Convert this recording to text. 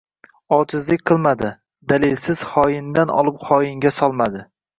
Ojizlik qilmadi. Dalilsiz xoyindan olib xoyinga solmadi.